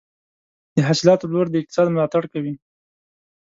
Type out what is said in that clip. د حاصلاتو پلور د اقتصاد ملاتړ کوي.